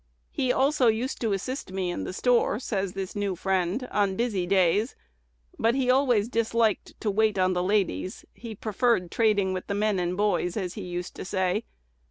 "He also used to assist me in the store," says this new friend, "on busy days, but he always disliked to wait on the ladies: he preferred trading with the men and boys, as he used to say.